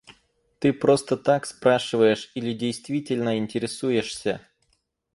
Ты просто так спрашиваешь или действительно интересуешься?